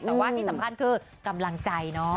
แต่ว่าที่สำคัญคือกำลังใจเนาะ